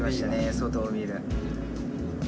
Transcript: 外を見る。